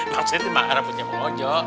maksudnya mak arah punya mang ojo